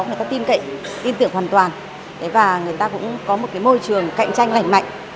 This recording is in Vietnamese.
người ta tin tưởng hoàn toàn và người ta cũng có một cái môi trường cạnh tranh lành mạnh